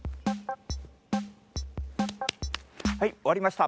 はいおわりました。